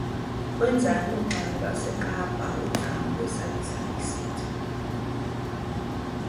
Wenzani uxamu waseKapa ukuzama ukwesabisa isitha?